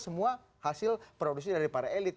semua hasil produksi dari para elit